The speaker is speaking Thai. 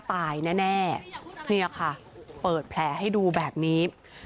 ตายแน่เนี่ยค่ะเปิดแผลให้ดูแบบนี้